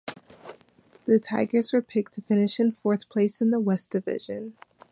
The Tigers were picked to finish in fourth place in the West Division.